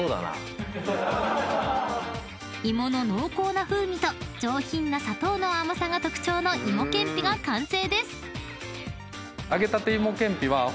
［芋の濃厚な風味と上品な砂糖の甘さが特徴の芋けんぴが完成です］